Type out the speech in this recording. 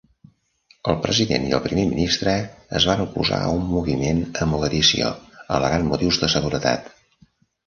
El president i el primer ministre es van oposar a un moviment a Mogadiscio, al·legant motius de seguretat.